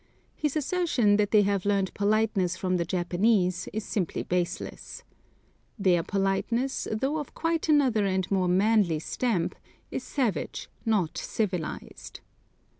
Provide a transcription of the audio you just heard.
His assertion that they have learned politeness from the Japanese is simply baseless. Their politeness, though of quite another and more manly stamp, is savage, not civilised.